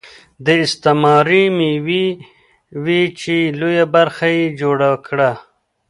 دا استثماري مېوې وې چې لویه برخه یې جوړه کړه